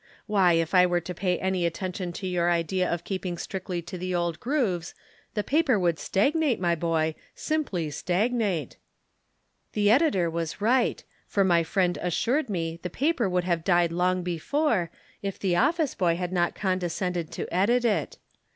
Why, if I were to pay any attention to your idea of keeping strictly to the old grooves, the paper would stagnate, my boy, simply stagnate.' The editor was right, for my friend assured me the paper would have died long before, if the office boy had not condescended to edit it.